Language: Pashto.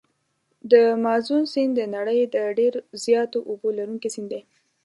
د مازون سیند د نړۍ د ډېر زیاتو اوبو لرونکي سیند دی.